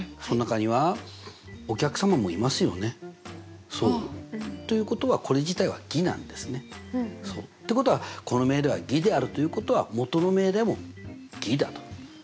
その中にはお客様もいますよね。ということはこれ自体は偽なんですね。ってことはこの命題は偽であるということは元の命題も偽だと。